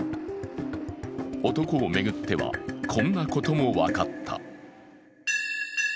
男を巡っては、こんなことも分かった。